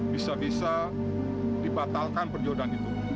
bisa bisa dibatalkan perjodohan itu